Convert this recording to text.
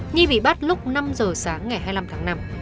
nhi bị bắt lúc năm h sáng ngày hai mươi năm tháng năm